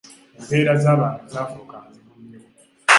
Embeera z’abantu zaafuuka nzibu nnyo.